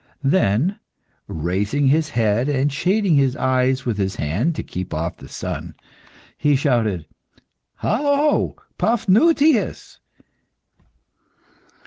Then, raising his head, and shading his eyes with his hand, to keep off the sun, he shouted "Hallo, Paphnutius!